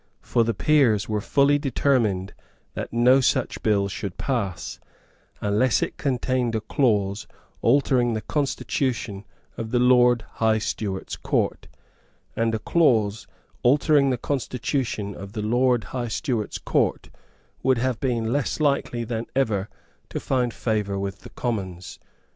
For the Peers were fully determined that no such bill should pass, unless it contained a clause altering the constitution of the Lord High Steward's Court; and a clause altering the constitution of the Lord High Steward's Court would have been less likely than ever to find favour with the Commons.